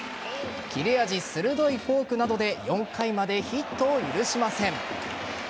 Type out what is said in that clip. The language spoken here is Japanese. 切れ味鋭いフォークなどで４回までヒットを許しません。